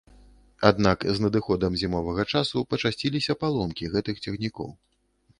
Аднак, з надыходам зімовага часу пачасціліся паломкі гэтых цягнікоў.